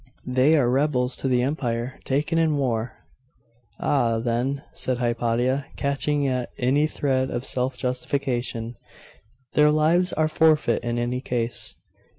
They are rebels to the empire, taken in war.' 'Ah, then,' said Hypatia, catching at any thread of self justification, 'their lives are forfeit in any case.